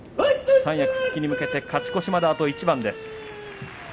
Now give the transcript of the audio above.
三役復帰に向けて勝ち越しまであと一番です。